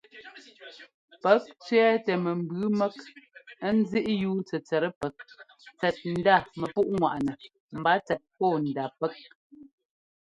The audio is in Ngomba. Pɛ́k tsẅɛ́ɛtɛ mɛmbʉʉ mɛ́k ńzíꞌyúu tsɛtsɛt pɛ́k tsɛt ndá mɛpúꞌŋwaꞌnɛ mba tsɛt pɔ́ɔndá pɛ́k.